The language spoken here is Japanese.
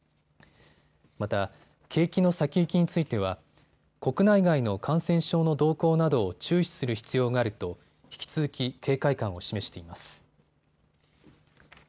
また、景気の先行きについては国内外の感染症の動向などを注視する必要があると引き続き警戒感を示しています。